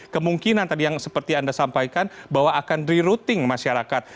kemungkinan tadi yang seperti anda sampaikan bahwa akan rerouting masyarakat